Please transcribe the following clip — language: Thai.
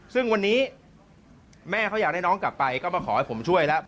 ซึ่งวันนี้แม่เขาอยากได้น้องกลับไปก็มาขอให้ผมช่วยแล้ว